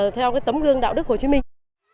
theo cái tấm gương đạo đức hồ chí minh